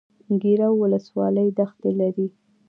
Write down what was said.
ګیرو ولسوالۍ دښتې لري؟